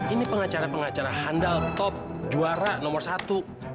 ini pengacara pengacara handal top juara nomor satu